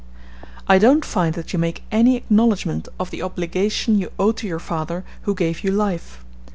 "I don't find that you make any acknowledgment of the obligation you owe to your father who gave you life.